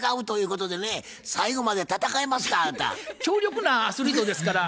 強力なアスリートですから。